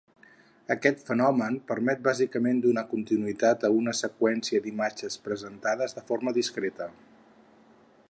Aquest fenomen permet bàsicament donar continuïtat a una seqüència d'imatges presentades de forma discreta.